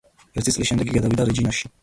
ერთი წლის შემდეგ იგი გადავიდა „რეჯინაში“.